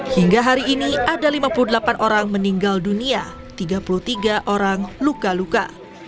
hingga hari ini ada lima puluh delapan orang meninggal dunia tiga puluh tiga orang luka luka